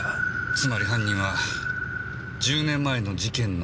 つまり犯人は１０年前の事件の関係者。